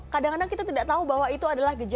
kadang kadang kita tidak tahu bahwa itu adalah gejala